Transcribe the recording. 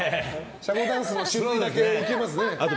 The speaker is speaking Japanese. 社交ダンスの種類だけいけますね。